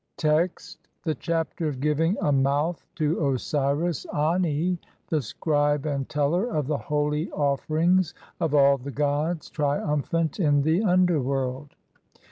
Text : (1) The Chapter of giving a mouth (2) to Osiris ANI, THE SCRIBE AND TELLER OF THE HOLY OFFERINGS OF ALL THE GODS, TRIUMPHANT, IN THE UNDERWORLD.